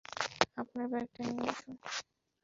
আপনার ব্যাগটা নিয়ে আসুন।